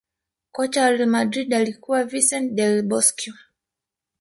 Kocha wa real madrid alikuwa Vincent Del Bosque